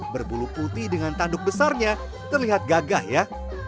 berbulu putih dengan tanduk besarnya terlihat gagah ya